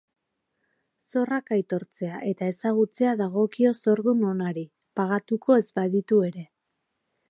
Zorrak aitortzea eta ezagutzea dagokio zordun onari, pagatuko ez baditu ere.